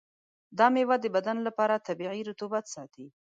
دا میوه د بدن لپاره طبیعي رطوبت ساتي.